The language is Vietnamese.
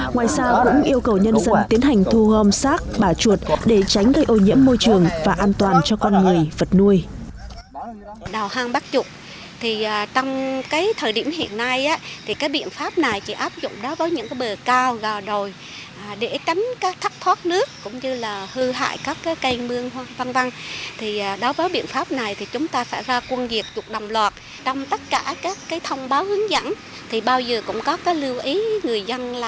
ngoài ra cũng yêu cầu nhân dân tiến hành thu hôm sát bả chuột để tránh gây ô nhiễm môi trường và an toàn cho con người vật nuôi